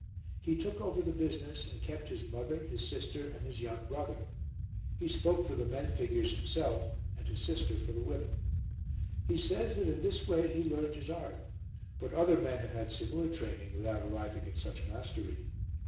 He took over the business and kept his mother, his sister and his young brother. He spoke for the men figures himself, and his sister for the women. He says that in this way he learned his art, but other men have had similar training without arriving at such mastery.